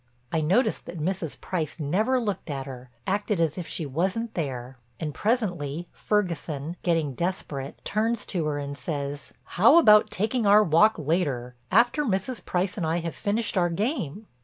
I noticed that Mrs. Price never looked at her, acted as if she wasn't there, and presently Ferguson, getting desperate, turns to her and says: "How about taking our walk later—after Mrs. Price and I have finished our game?"